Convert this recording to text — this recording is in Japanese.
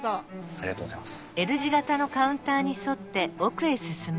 ありがとうございます。